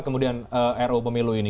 kemudian ro pemilu ini